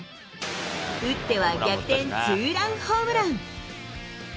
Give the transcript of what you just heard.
打っては逆転ツーランホームラン。